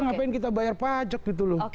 ngapain kita bayar pajak gitu loh